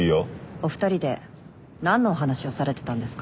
お二人で何のお話をされてたんですか？